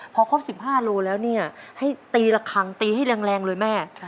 พอครบ๑๕โลแล้วเนี่ยให้ตีละครั้งตีให้แรงเลยแม่